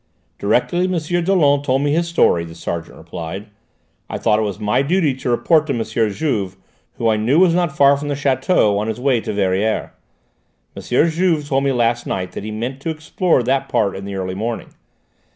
"Directly M. Dollon told me his story," the sergeant replied, "I thought it my duty to report to M. Juve, who I knew was not far from the château, on his way to Verrières: M. Juve told me last night that he meant to explore that part in the early morning.